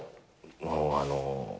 もうあの。